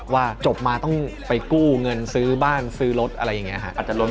ว่าจบมาต้องไปกู้เงินซื้อบ้านซื้อรถอะไรอย่างนี้ครับ